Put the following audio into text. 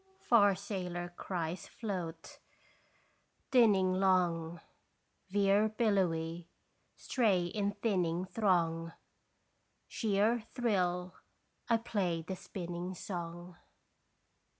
Yo ho ho ho! Yo ho ho ho / Far sailor cries float, dinning long, Veer billowy, stray in thinning throng. Sheer thrill, I play the spinning song.